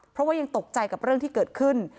เพราะว่ายังตกใจกับเรื่องที่เกิดขึ้น